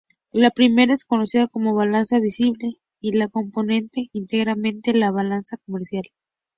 La primera es conocida como balanza visible y la compone íntegramente la "balanza comercial".